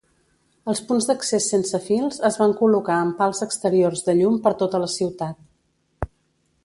Els punts d'accés sense fils es van col·locar en pals exteriors de llum per tota la ciutat.